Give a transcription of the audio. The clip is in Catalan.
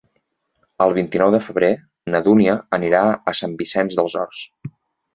El vint-i-nou de febrer na Dúnia anirà a Sant Vicenç dels Horts.